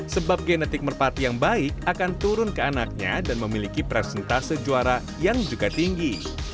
sebab genetik merpati yang baik akan turun ke anaknya dan memiliki presentase juara yang juga tinggi